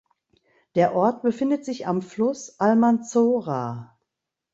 Der Ort befindet sich am Fluss Almanzora.